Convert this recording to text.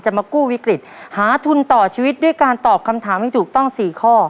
มากู้วิกฤตหาทุนต่อชีวิตด้วยการตอบคำถามให้ถูกต้อง๔ข้อ